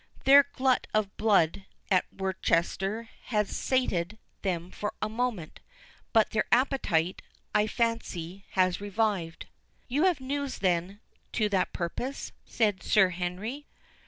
Their glut of blood at Worcester had satiated them for a moment, but their appetite, I fancy, has revived." "You have news, then, to that purpose?" said Sir Henry.